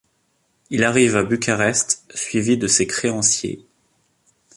Il arrive à Bucarest suivi de ses créanciers.